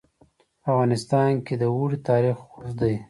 په افغانستان کې د اوړي تاریخ اوږد دی.